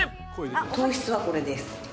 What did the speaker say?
糖質は、これです。